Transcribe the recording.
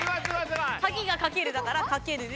鍵が掛けるだから掛けるで。